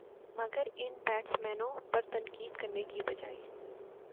مگر ان بیٹسمینوں پر تنقید کرنے کے بجائے